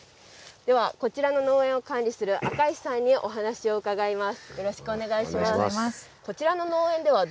では、こちらの農園を管理する赤石さんにお話を伺います。